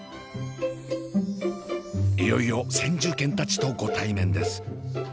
いよいよ先住犬たちとご対面です。